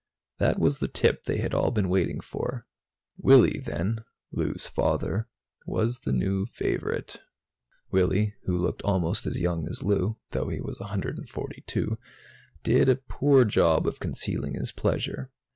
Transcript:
That was the tip they had all been waiting for. Willy, then Lou's father was the new favorite. Willy, who looked almost as young as Lou, though he was 142, did a poor job of concealing his pleasure.